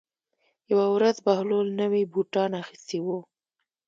یوه ورځ بهلول نوي بوټان اخیستي وو.